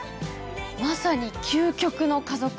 まさに究極の家族愛だね。